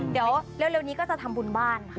เดี๋ยวเร็วนี้ก็จะทำบุญบ้านค่ะ